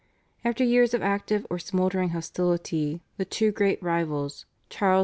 After years of active or smouldering hostility the two great rivals Charles V.